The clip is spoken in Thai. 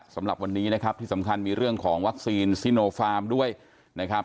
สำหรับวันนี้นะครับที่สำคัญมีเรื่องของวัคซีนซิโนฟาร์มด้วยนะครับ